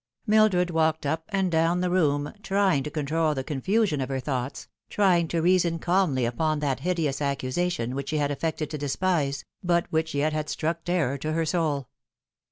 Mildred walked up and down the room, trying to control the confusion of her thoughts, trying to reason calmly upon that hideous accusation which she had affected to despise, but which yet had struck terror to her soul.